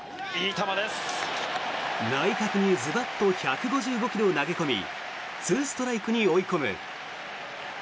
内角にズバッと１５５ｋｍを投げ込み２ストライクに追い込む。